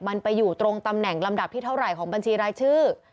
มันไปอยู่ตรงตำแหน่งลำดับที่เท่าไหร่ของบัญชีรายชื่อ